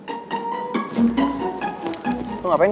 ah ada waktunya tamat lagi ya